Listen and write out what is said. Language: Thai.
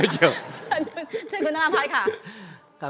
เชิญคุณน้ำน้ำพัดค่ะ